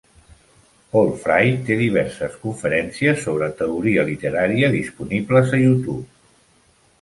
Paul Fry té diverses conferències sobre "teoria literària" disponibles a YouTube.